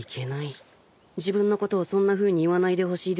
自分のことをそんなふうに言わないでほしいですわ。